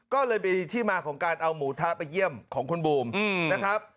ก็เลยมีที่มาของการเอาหมูทะไปเยี่ยมของคุณบูมนะครับ